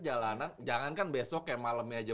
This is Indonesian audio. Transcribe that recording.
jalanan jangan kan besoknya malemnya aja